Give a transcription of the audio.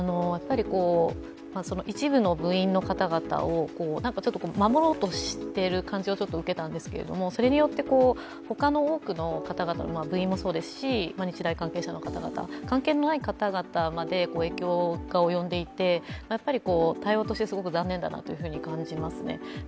一部の部員の方々を守ろうとしている感じをちょっと受けたんですけれども、それによって、他の多くの方々部員もそうですし日大関係者の方々、関係のない方々まで影響が及んでいて、対応としてすごく残念だなと感じますね。